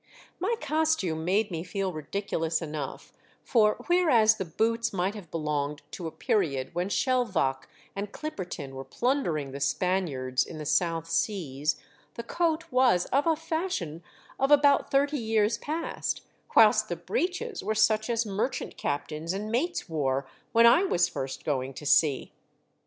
My costume made me feel ridiculous enough, for, whereas the boots might have belonged to a period when Shelvocke and Clipperton were plundering the Spaniards ir the south seas, the coat was of a fashion of about thirty years past, whilst the breeches were such as merchant captains and mates wore when I was first going to sea.